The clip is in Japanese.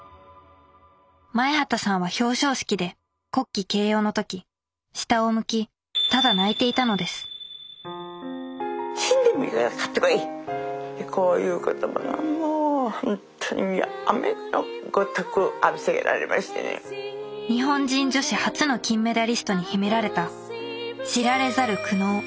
前畑さんは表彰式で国旗掲揚の時下を向きただ泣いていたのです日本人女子初の金メダリストに秘められた知られざる苦悩。